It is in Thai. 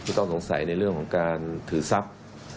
ต้องสงสัยในเรื่องของการถือทรัพย์